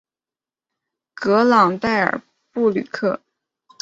格朗代尔布吕克。